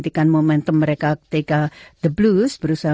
bukan kemahiran pemimpin saya